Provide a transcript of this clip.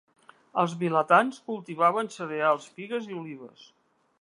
Els vilatans cultivaven cereals, figues i olives.